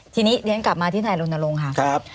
ทีนี้เรียนกลับมาที่ไทยโรนโลงครับ